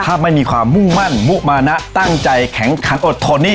ถ้าไม่มีความมุ่งมั่นมุมานะตั้งใจแข็งขันอดทนนี่